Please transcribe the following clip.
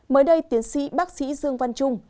mới đây tiến sĩ bác sĩ dương văn trung